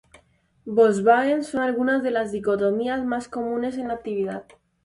Volkswagen, son algunas de las dicotomías más comunes en la actividad.